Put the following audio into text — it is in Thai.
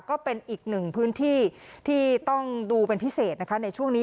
ก็เป็นอีกหนึ่งพื้นที่ที่ต้องดูเป็นพิเศษนะคะในช่วงนี้